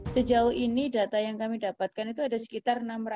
sejauh ini data yang kami dapatkan itu ada sekitar enam ratus